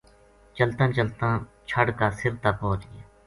چلتاں چلتاں چھَڑ کا سر تا پوہچ گیا